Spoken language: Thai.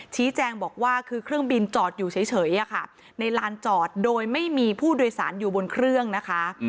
ชี้แจงบอกว่าคือเครื่องบินจอดอยู่เฉยในลานจอดโดยไม่มีผู้โดยสารอยู่บนเครื่องนะคะ